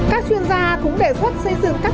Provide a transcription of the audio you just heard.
các chuyên gia cũng đề xuất xây dựng các